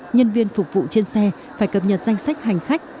nhân viên phục vụ trên xe phải cập nhật danh sách hành khách